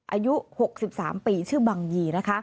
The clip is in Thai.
อายุ๖๓ปีชื่อบางยี่